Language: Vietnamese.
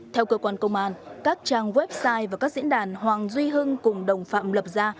theo cơ quan công an các trang website và các diễn đàn hoàng duy hưng cùng đồng phạm lập ra